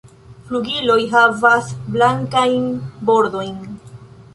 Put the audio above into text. Flugiloj havas blankajn bordojn.